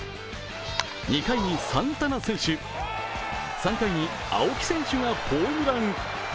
２回にサンタナ選手、３回に青木選手がホームラン。